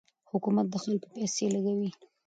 حکومت د خلکو پیسې لګوي.